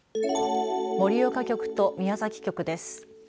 盛岡局と宮崎局です。